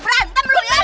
gak ada perasaan